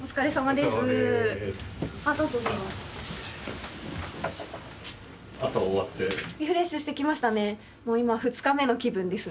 リフレッシュしてきましたね。